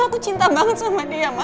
aku cinta banget sama dia mas